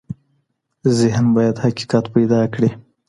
ذهن بايد حقيقت پيدا کړي.